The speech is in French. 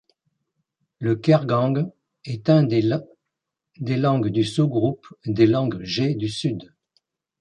Le kaingang est un des langues du sous-groupe des langues jê du Sud.